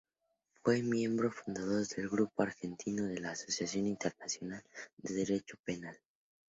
Fue miembro fundador del grupo argentino de la Asociación Internacional de Derecho Penal.